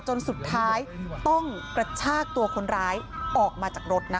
จนสุดท้ายต้องกระชากตัวคนร้ายออกมาจากรถนะคะ